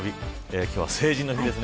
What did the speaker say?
今日は成人の日ですね。